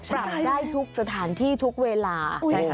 ปรับได้ทุกสถานที่ทุกเวลา